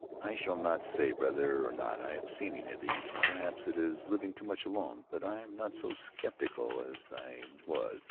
I shall not say whether or not I have seen any of these; perhaps it is living too much alone, but I am not so skeptical as I was.